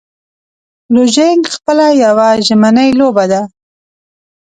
لوژینګ خپله یوه ژمنی لوبه ده.